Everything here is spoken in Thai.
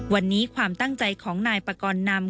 วันนี้ความตั้งใจของนายปากรนำ